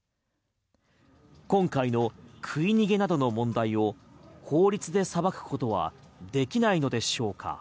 今回の食い逃げなどの問題を法律で裁くことはできないのでしょうか？